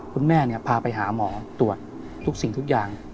พนักแม่พาไปหาหมอตรวจสิ่งทุกอย่าง